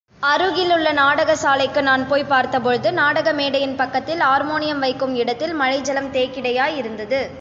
அருகிலுள்ள நாடக சாலைக்கு நான் போய்ப் பார்த்தபொழுது, நாடகமேடையின் பக்கத்தில் ஆர்மோனியம் வைக்கும் இடத்தில் மழை ஜலம் தேக்கிடையாயிருந்தது.